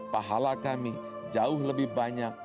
pahala kami jauh lebih banyak